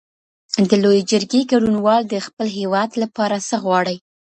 د لویې جرګي ګډونوال د خپل هیواد لپاره څه غواړي؟